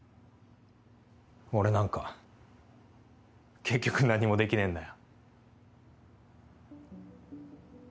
俺なんか結局何もできねえんだよ